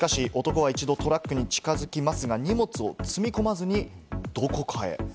しかし男は一度トラックに近づきますが、荷物を積み込まずに、どこかへ。